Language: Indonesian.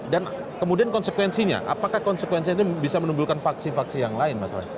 dan kemudian konsekuensinya apakah konsekuensinya itu bisa menumbuhkan vaksi vaksi yang lain mas